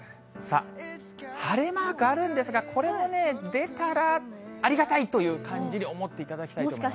晴れマークあるんですが、これも出たらありがたいという感じに思もしかしたら。